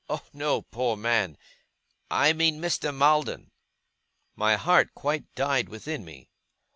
Oh no, poor man! I mean Mr. Maldon!' My heart quite died within me.